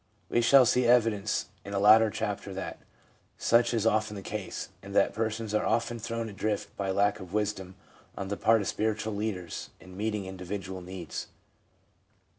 We shall see evidence in a later chapter that such is often the case, and that persons are often thrown adrift by lack of wisdom on the part of spiritual leaders in meeting individual needs.